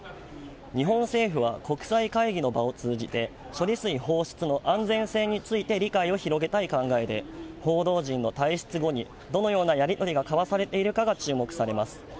日本政府は国際会議の場を通じて処理水放出の安全性について理解を広げたい考えで報道陣の退出後にどのようなやり取りが交わされているかが注目されます。